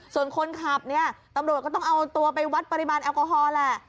ส่วนคนขับเนี่ยตำรวจก็ต้องเอาตัวไปวัดปริมาณแอลกอฮอล์แหละ